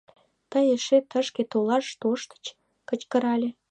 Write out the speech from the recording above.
— Тый эше тышке толаш тоштыч? — кычкырале.